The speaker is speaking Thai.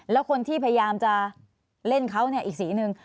แล้วคนที่พยายามจะเล่นเขาเนี่ยอีกสีหนึ่ง